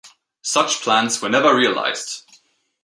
Such plans were never realized.